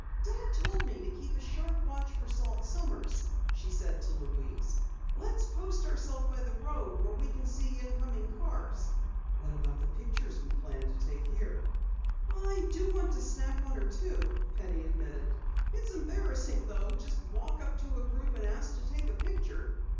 "Dad told me to keep a sharp watch for Salt Sommers," she said to Louise. "Let's post ourselves by the road where we can see incoming cars." "What about the pictures we planned to take here?" "I do want to snap one or two," Penny admitted. "It's embarrassing though, just to walk up to a group and ask to take a picture."